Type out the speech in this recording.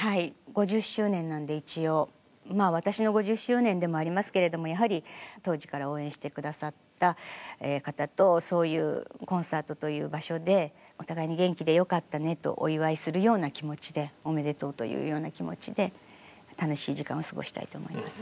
５０周年なので一応私の５０周年でもありますけれどもやはり当時から応援してくださった方とそういうコンサートという場所でお互いに元気でよかったねとお祝いするような気持ちでおめでとうというような気持ちで楽しい時間を過ごしたいと思います。